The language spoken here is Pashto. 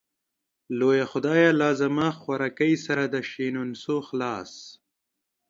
لويه خدايه لازما خوارکۍ سر د شينونسو خلاص.